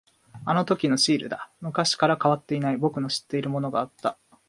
あのときのシールだ。昔から変わっていない、僕の知っているものがあった。